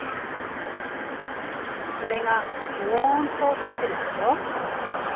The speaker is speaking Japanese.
それがドンと増えてるでしょ。